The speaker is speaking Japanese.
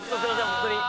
ホントに。